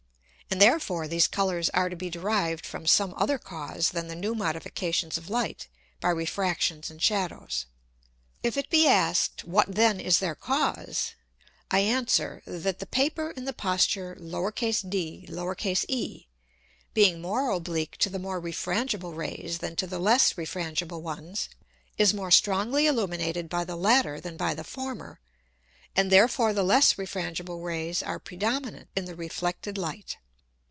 And therefore these Colours are to be derived from some other Cause than the new Modifications of Light by Refractions and Shadows. If it be asked, what then is their Cause? I answer, That the Paper in the posture de, being more oblique to the more refrangible Rays than to the less refrangible ones, is more strongly illuminated by the latter than by the former, and therefore the less refrangible Rays are predominant in the reflected Light.